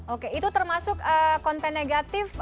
oke itu termasuk konten negatif